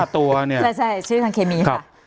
ตัวเนี่ยใช่ชื่อทางเคมีค่ะ